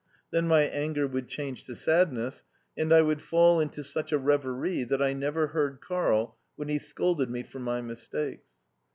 Then my anger would change to sadness, and I would fall into such a reverie that I never heard Karl when he scolded me for my mistakes.